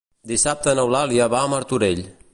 Dissabte n'Eulàlia va a Martorell.